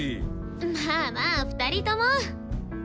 まあまあ２人とも。